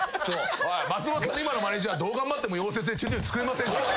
松本さんの今のマネージャーはどう頑張っても溶接でちり取り作れませんから。